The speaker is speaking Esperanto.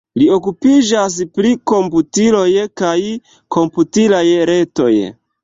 Li okupiĝas pri komputiloj kaj komputilaj retoj.